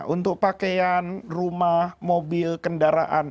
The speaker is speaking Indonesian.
untuk pakaian rumah mobil kendaraan